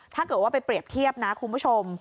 ถ้าเกิดว่าไปเปรียบเทียบนะคุณผู้ชม